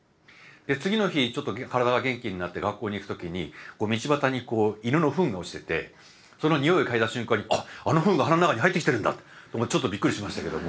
次の日ちょっと体が元気になって学校に行く時に道端にこう犬のフンが落ちててその臭いを嗅いだ瞬間にあっあのフンが鼻の中に入ってきてるんだってちょっとびっくりしましたけども。